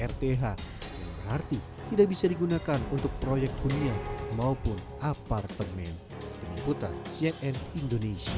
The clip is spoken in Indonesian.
rth berarti tidak bisa digunakan untuk proyek punya maupun apartemen penyumbutan jn indonesia